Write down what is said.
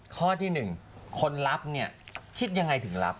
ข้อที่๑คนรับเนี่ยคิดยังไงถึงรับ